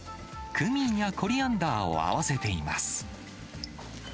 クミンやコリアンダーを合わせています。